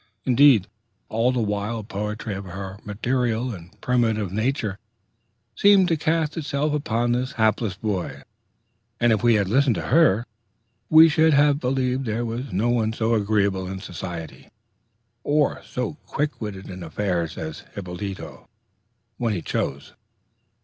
Indeed, all the wild poetry of her maternal and primitive nature seemed to cast itself about this hapless boy; and if we had listened to her we should have believed there was no one so agreeable in society, or so quick witted in affairs, as Hippolyto, when he chose....